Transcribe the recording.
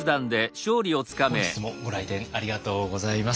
本日もご来店ありがとうございます。